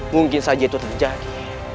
mungkin saja itu terjadi